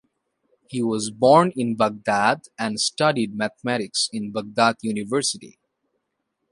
He was born in Baghdad and studied mathematics in Baghdad University.